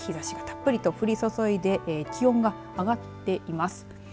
日ざしがたっぷりと降り注いで気温が上がっています。